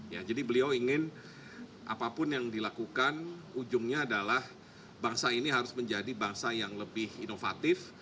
ya jadi beliau ingin apapun yang dilakukan ujungnya adalah bangsa ini harus menjadi bangsa yang lebih inovatif